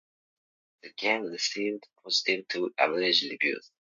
The game received positive to average reviews.